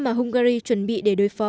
mà hungary chuẩn bị để đối phó